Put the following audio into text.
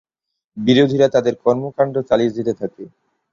বিরোধীরা তাদের কর্মকাণ্ড চালিয়ে যেতে থাকে।